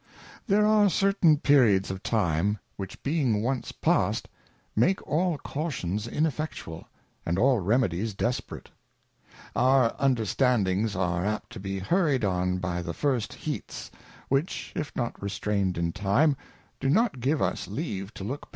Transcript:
There are certain Periods of Time, which being once past, make aU Cautions ineffectual, and all Remedies desperate. Our Understandings are apt to be hurried on by the first Heats, whichy if— norfrTEStfained In "time, "do^nxrt give ur leave to look